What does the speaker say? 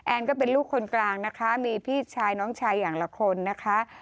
ก็เป็นลูกคนกลางนะคะมีพี่ชายน้องชายอย่างละคนนะคะ